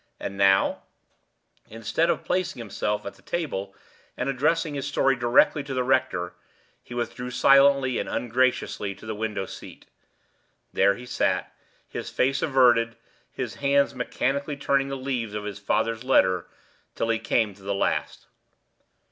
And now, instead of placing himself at the table, and addressing his story directly to the rector, he withdrew silently and ungraciously to the window seat. There he sat, his face averted, his hands mechanically turning the leaves of his father's letter till he came to the last.